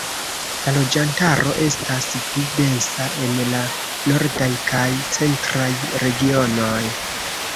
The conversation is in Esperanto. La loĝantaro estas pli densa en la nordaj kaj centraj regionoj.